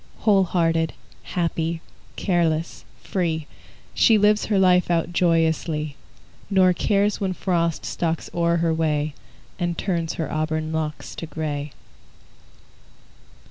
Whole hearted, happy, careless, free, She lives her life out joyously, Nor cares when Frost stalks o'er her way And turns her auburn locks to gray.